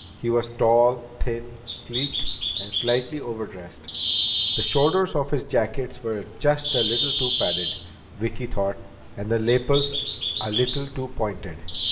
He was tall, thin, sleek, and slightly overdressed. The shoulders of his jacket were just a little too padded, Vicki thought, and the lapels a little too pointed.